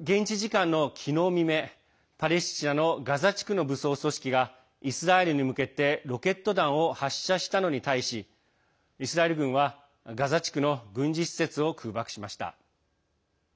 現地時間の昨日未明パレスチナのガザ地区の武装組織が、イスラエルに向けてロケット弾を発射したのに対しイスラエル軍は、ガザ地区の軍事施設を空爆しました。